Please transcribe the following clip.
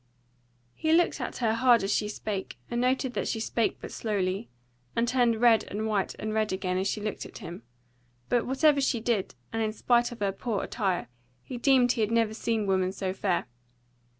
He looked at her hard as she spake, and noted that she spake but slowly, and turned red and white and red again as she looked at him. But whatever she did, and in spite of her poor attire, he deemed he had never seen woman so fair.